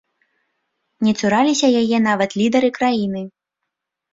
Не цураліся яе нават лідары краіны.